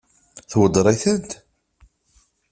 Tweddeṛ-itent?